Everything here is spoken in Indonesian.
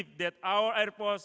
pusat udara kita bukanlah